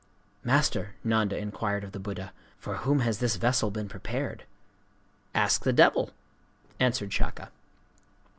'Master,' Nanda inquired of the Buddha, 'for whom has this vessel been prepared?' 'Ask the devil,' answered Shaka.